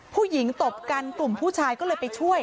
ตบกันกลุ่มผู้ชายก็เลยไปช่วย